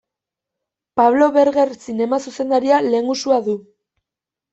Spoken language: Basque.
Pablo Berger zinema zuzendaria lehengusua du.